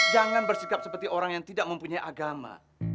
jangan bersikap seperti orang yang tidak mempunyai agama